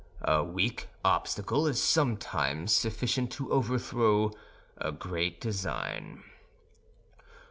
"A weak obstacle is sometimes sufficient to overthrow a great design.